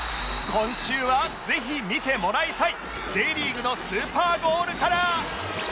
今週はぜひ見てもらいたい Ｊ リーグのスーパーゴールから！